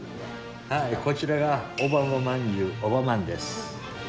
こちらがオバマまんじゅう、おばまんです。